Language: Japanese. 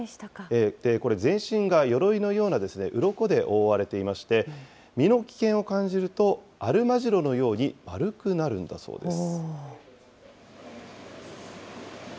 これ、全身がよろいのようなうろこで覆われていまして、身の危険を感じると、アルマジロのように丸くなるんだそうです。